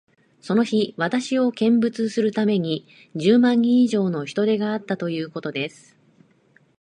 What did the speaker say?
その日、私を見物するために、十万人以上の人出があったということです。